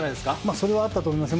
それはあったと思いますね。